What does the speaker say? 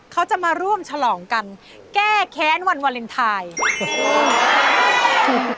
เขาจะมาร่วมฉลองกันแก้แค้นวันวาเลนไทย